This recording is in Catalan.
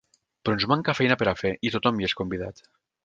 Però ens manca feina per a fer i tothom hi és convidat.